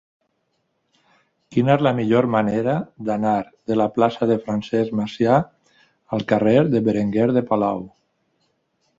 Quina és la millor manera d'anar de la plaça de Francesc Macià al carrer de Berenguer de Palou?